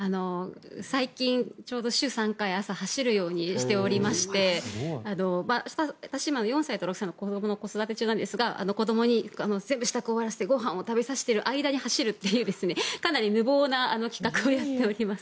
最近、ちょうど週３回朝、走るようにしておりまして私今４歳と６歳の子どもを子育て中なんですが子どもに全部支度を終わらせてご飯を食べさせてる間に走るというかなり無謀な企画をやっております。